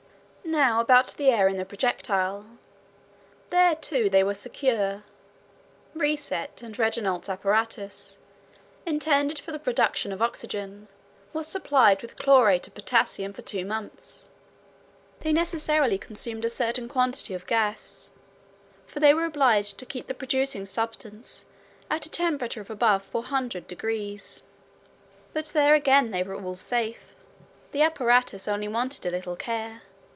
Now about the air in the projectile. There, too, they were secure. Reiset and Regnaut's apparatus, intended for the production of oxygen, was supplied with chlorate of potassium for two months. They necessarily consumed a certain quantity of gas, for they were obliged to keep the producing substance at a temperature of above 400°. But there again they were all safe. The apparatus only wanted a little care.